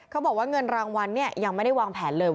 เขาบอกว่าเงินรางวัลเนี่ยยังไม่ได้วางแผนเลย